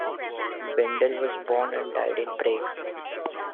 Bendl was born and died in Prague.